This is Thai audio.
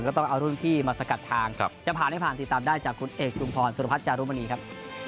ก็ต้องเอารุ่นพี่มาสกัดทางจะผ่านให้ผ่านติดตามได้จากคุณเอกชุมพรสุรพัฒน์จารุมณีครับ